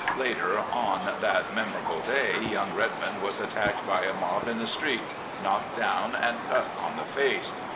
Later on that memorable day young Redmond was attacked by a mob in the streets, knocked down, and cut on the face.